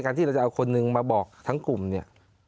ที่เราจะเอาคนหนึ่งมาบอกทั้งกลุ่มเนี่ย